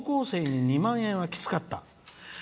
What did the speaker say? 高校生に２万円はきつかった。